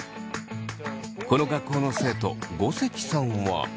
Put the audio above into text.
この学校の生徒ごせきさんは。